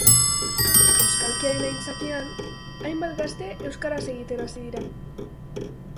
Euskalkiaren aitzakian, hainbat gazte euskaraz egiten hasi dira.